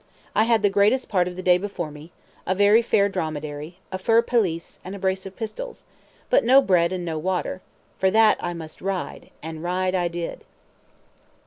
I had the greasiest part of the day before me, a very fair dromedary, a fur pelisse, and a brace of pistols, but no bread and no water; for that I must ride—and ride I did.